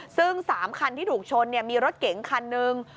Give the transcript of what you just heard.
ซึ่ง๓คันที่ถูกชนมีรถเก๋งคันหนึ่ง